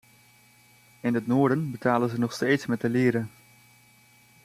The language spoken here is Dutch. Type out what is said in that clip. In het noorden betalen ze nog steeds met de lire.